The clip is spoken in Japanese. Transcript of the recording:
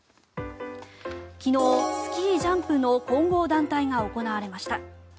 昨日、スキージャンプの混合団体が行われました。